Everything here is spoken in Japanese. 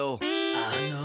あの。